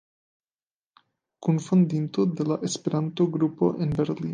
Kunfondinto de la Esperanto-Grupo en Berlino.